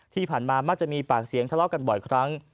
ที่ผ่านมามักจะมีปากเสียงทะเลาะกันบ่อยครั้ง